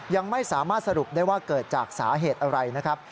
ยังไม่สามารถสรุปได้ว่าเกิดจากสาเหตุอะไรนะครับ